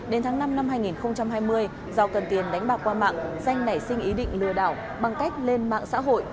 đến tháng năm năm hai nghìn hai mươi do cần tiền đánh bạc qua mạng danh nảy sinh ý định lừa đảo bằng cách lên mạng xã hội